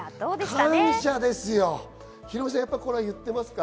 感謝ですよ。